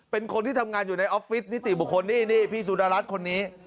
เป็นคนที่ทำงานอยู่ในออฟฟิศนิติบุคคลนี่นี่พี่สุดารัฐคนนี้